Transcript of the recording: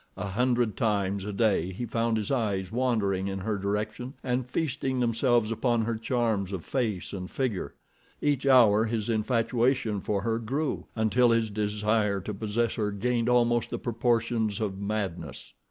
A hundred times a day he found his eyes wandering in her direction and feasting themselves upon her charms of face and figure. Each hour his infatuation for her grew, until his desire to possess her gained almost the proportions of madness.